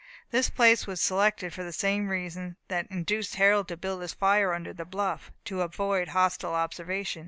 This place was selected for the same reason that induced Harold to build his fire under the bluff to avoid hostile observation.